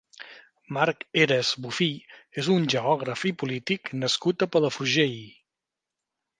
Marc Heras Bofill és un geògraf i polític nascut a Palafrugell.